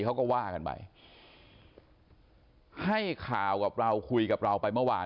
เขาก็ว่ากันไปให้ข่าวกับเราคุยกับเราไปเมื่อวาน